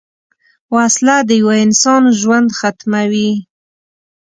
وسله د یوه انسان ژوند ختموي